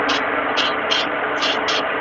دا ماشوم ډېر عجیب دی.